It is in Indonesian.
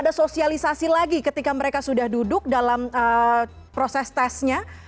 ada sosialisasi lagi ketika mereka sudah duduk dalam proses tesnya